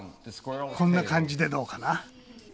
こんな感じでどうかな？